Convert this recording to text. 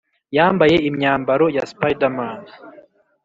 yambaye imyambaro ya spiderman